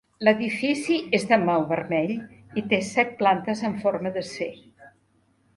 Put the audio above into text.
L'edifici és de maó vermell i té set plantes en forma de C.